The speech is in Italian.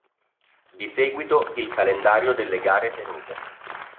Di seguito il calendario delle gare tenute.